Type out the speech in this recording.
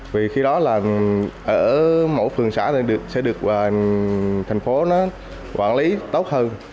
vì khi đó là ở mỗi phường xã sẽ được thành phố quản lý tốt hơn